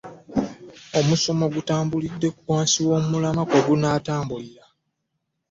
Omusomo gutambulidde wansi w'omulamwa kwe gunaatambulira